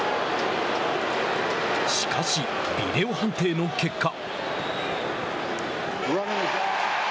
しかし、ビデオ判定の結果。